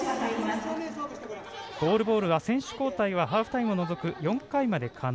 ゴールボールは選手交代はハーフタイムを除く４回まで可能。